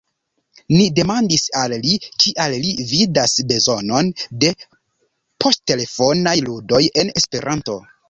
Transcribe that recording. Ni demandis al li, kial li vidas bezonon de poŝtelefonaj ludoj en Esperanto.